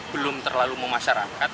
belum terlalu memasyarakat